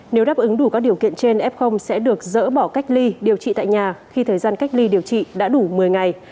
nếu đáp ứng đủ các điều kiện trên f sẽ được dỡ bỏ cách ly điều trị tại nhà khi thời gian cách ly điều trị đã đủ một mươi ngày